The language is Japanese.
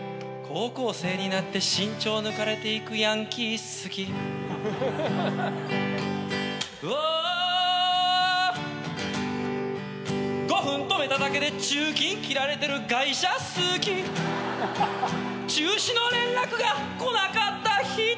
「高校生になって身長抜かれていくヤンキー好き」「５分止めただけで駐禁きられてる外車好き」「中止の連絡が来なかった人好き」